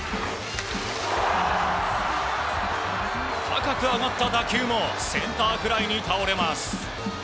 高く上がった打球もセンターフライに倒れます。